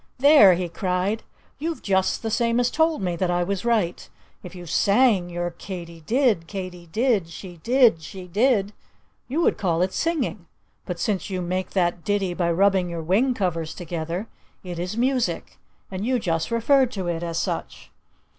"There!" he cried. "You've just the same as told me that I was right. If you sang your Katy did, Katy did; she did, she did, you would call it singing. But since you make that ditty by rubbing your wing covers together, it is music. And you just referred to it as such!"